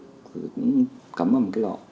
rồi cũng cắm vào một cái lọ